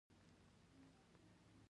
پښتو باید د ټولنې ټول غړي سره شریک کړي.